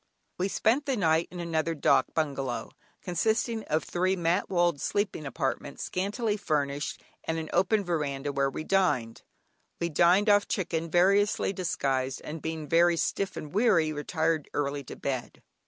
We spent the night in another "dâk" bungalow, consisting of three mat walled sleeping apartments, scantily furnished, and an open veranda where we dined. We dined off chicken variously disguised, and being very stiff and weary, retired early to bed.